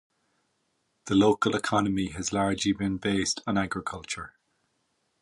The local economy has largely been based on agriculture.